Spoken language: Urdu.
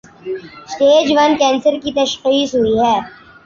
سٹیج ون کینسر کی تشخیص ہوئی ہے۔